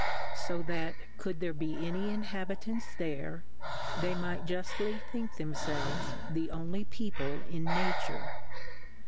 So that could there be any Inhabitants there, they might juftly think themfelves the only People in Nature.